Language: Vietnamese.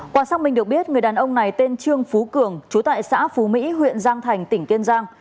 quả sắc mình được biết người đàn ông này tên trương phú cường trú tại xã phú mỹ huyện giang thành tỉnh kiên giang